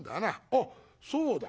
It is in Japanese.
あっそうだ。